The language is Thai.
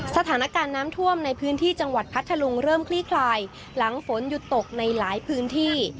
สถานการณ์น้ำท่วมในพื้นที่จังหวัดพัทธลุงเริ่มคลี่คลายหลังฝนหยุดตกในหลายพื้นที่